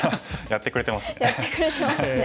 やってくれてますね。